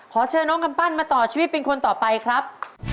ขอเชิญน้องกำปั้นมาต่อชีวิตเป็นคนต่อไปครับ